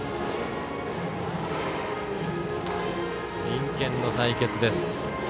隣県の対決です。